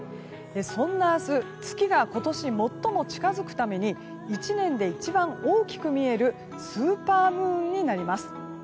そんな明日月が今年最も近づくために１年で一番大きく見えるスーパームーンになります。